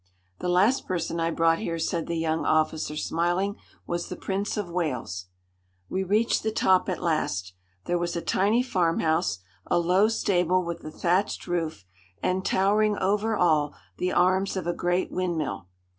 "The last person I brought here," said the young officer, smiling, "was the Prince of Wales." We reached the top at last. There was a tiny farmhouse, a low stable with a thatched roof, and, towering over all, the arms of a great windmill.